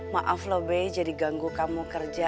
maaf loh be jadi ganggu kamu kerja